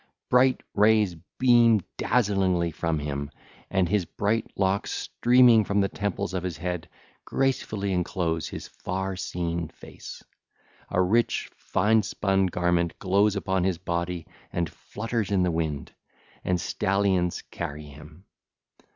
Bright rays beam dazzlingly from him, and his bright locks streaming from the temples of his head gracefully enclose his far seen face: a rich, fine spun garment glows upon his body and flutters in the wind: and stallions carry him.